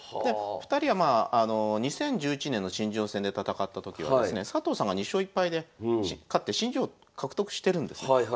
２人はまあ２０１１年の新人王戦で戦った時はですね佐藤さんが２勝１敗で勝って新人王獲得してるんですね。